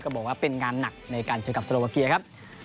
บอกว่าเป็นงานหนักในการเจอกับโซโลวาเกียครับ